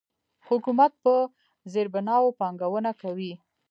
حکومت په زیربناوو پانګونه کوي.